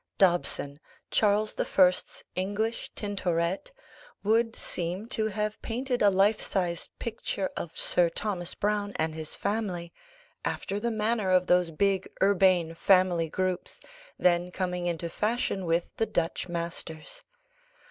Dobson, Charles the First's "English Tintoret," would seem to have painted a life sized picture of Sir Thomas Browne and his family, after the manner of those big, urbane, family groups, then coming into fashion with the Dutch Masters.